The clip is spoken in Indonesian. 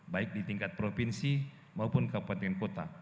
baik di tingkat provinsi maupun kabupaten kota